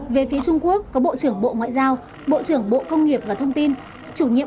về phía trung quốc có bộ trưởng bộ ngoại giao bộ trưởng bộ công nghiệp và thông tin